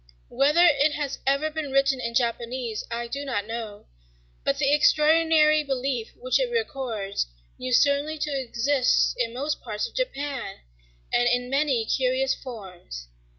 Whether it has ever been written in Japanese I do not know; but the extraordinary belief which it records used certainly to exist in most parts of Japan, and in many curious forms...